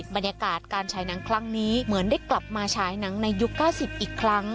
บรรยากาศการฉายหนังครั้งนี้เหมือนได้กลับมาฉายหนังในยุค๙๐อีกครั้ง